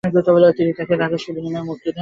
তিনি তাকে রাজস্বের বিনিময়ে মুক্ত করে দেন।